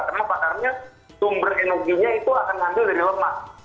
kenapa karena sumber energinya itu akan ngambil dari lemak